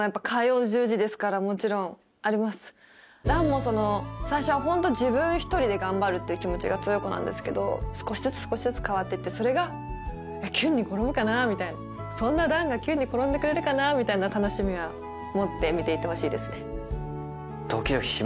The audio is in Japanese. いやもう弾も最初はホント自分一人で頑張るっていう気持ちが強い子なんですけど少しずつ少しずつ変わっていってそれがキュンに転ぶかなみたいなそんなみたいな楽しみは持って見ていってほしいですね